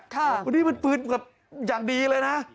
วันนี้มันปืนแบบอย่างดีเลยนะ